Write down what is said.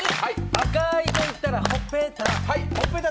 赤いと言ったらほっぺた。